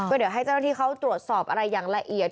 เดี๋ยวให้เจ้าหน้าที่เขาตรวจสอบอะไรอย่างละเอียด